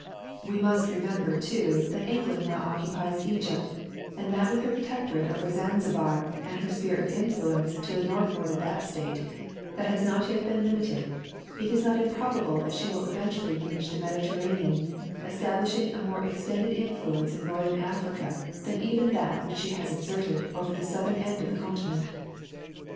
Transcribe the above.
33 We must reiiieinber, too, that England now occupies Egypt, and that with her protectorate over Zanzibar and her sphere of influence to the northward of that state, that has not yet been limited, it is not improbable that she will eventually reach the Mediterranean, establishing a more extended influence in north ern Africa than even that which she has exerted over the south ern end of the continent.